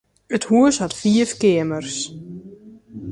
It hús hat fiif keamers.